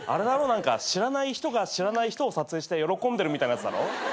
何か知らない人が知らない人を撮影して喜んでるみたいなやつだろ？